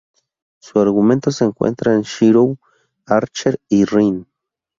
Su argumento se centra en Shirou, Archer y Rin.